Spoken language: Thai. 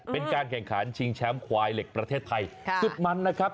เป็นการแข่งขันชิงแชมป์ควายเหล็กประเทศไทยสุดมันนะครับ